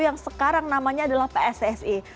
yang sekarang namanya adalah pssi